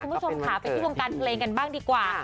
คุณผู้ชมค่ะไปที่วงการเพลงกันบ้างดีกว่า